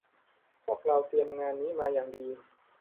พวกเราเตรียมงานนี้มาอย่างดี